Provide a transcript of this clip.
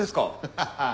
ハハハ。